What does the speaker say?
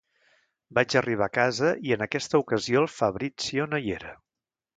Vaig arribar a casa i, en aquesta ocasió, el Fabrizio no hi era.